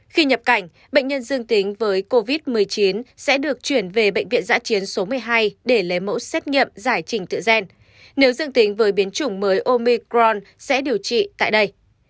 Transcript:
khi nhập cảnh bệnh nhân dương tính với covid một mươi chín sẽ được chuyển về bệnh viện giã chiến số một mươi hai để lấy mẫu xét nghiệm giải trình tự gen nếu dương tính với biến chủng mới omicron sẽ điều trị tại đây